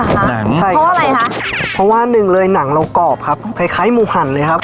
หนังใช่เพราะอะไรคะเพราะว่าหนึ่งเลยหนังเรากรอบครับคล้ายคล้ายหมูหั่นเลยครับ